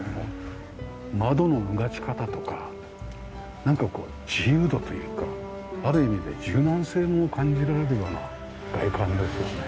窓のうがち方とかなんかこう自由度というかある意味で柔軟性も感じられるような外観ですよね。